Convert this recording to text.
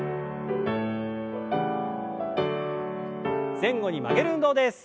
前後に曲げる運動です。